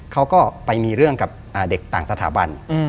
เขาก็ไปมีเรื่องกับเด็กต่างสถาบัน